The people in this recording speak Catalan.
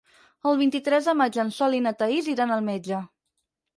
El vint-i-tres de maig en Sol i na Thaís iran al metge.